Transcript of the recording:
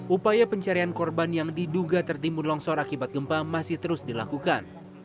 upaya pencarian korban yang diduga tertimbun longsor akibat gempa masih terus dilakukan